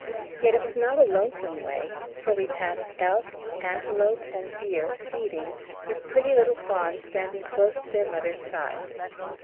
Yet it was not a lonesome way, for we passed elk, antelope, and deer feeding, with pretty little fawns standing close to their mothers' sides.